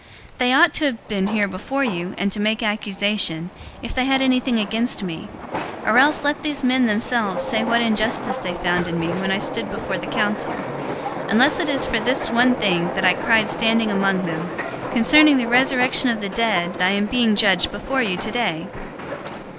024:019 They ought to have been here before you, and to make accusation, if they had anything against me. 024:020 Or else let these men themselves say what injustice they found in me when I stood before the council, 024:021 unless it is for this one thing that I cried standing among them, 'Concerning the resurrection of the dead I am being judged before you today!'"